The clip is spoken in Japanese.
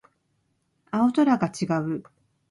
青空が違う